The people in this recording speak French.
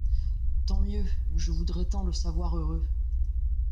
Tant mieux ! je voudrais tant le savoir heureux !